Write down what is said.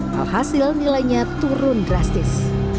hal hasil nilainya turun drastis